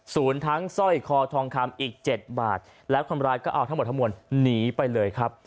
ทั้งสร้อยคอทองคำอีกเจ็ดบาทแล้วคนร้ายก็เอาทั้งหมดทั้งมวลหนีไปเลยครับ